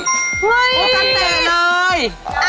โฮตาเตะเลย